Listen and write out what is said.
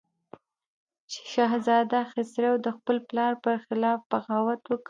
شهزاده خسرو د خپل پلار پر خلاف بغاوت وکړ.